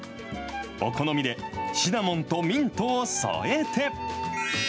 お好みでシナモンとミントを添えて。